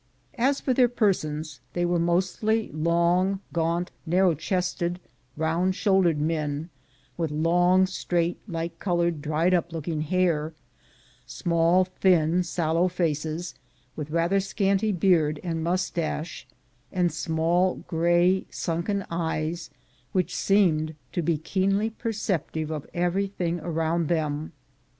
As for their persons, they were mostly long, gaunt, narrow chested, round shouldered men, with long, straight, light colored, dried up looking hair, small thin sallow faces, with rather scanty beard and mous tache, and small grey sunken eyes, which seemed to be keenly perceptive of everything around them.